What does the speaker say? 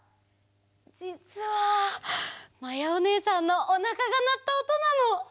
じつはまやおねえさんのおなかがなったおとなの。